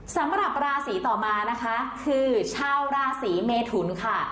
สำหรับราศีต่อมานะคะคือชาวราศีเมทุนค่ะ